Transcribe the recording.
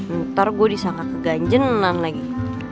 ntar gue disangka keganjenan lagi